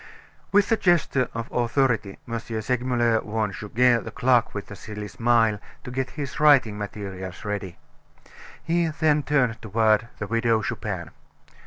With a gesture of authority M. Segmuller warned Goguet, the clerk with the silly smile, to get his writing materials ready. He then turned toward the Widow Chupin.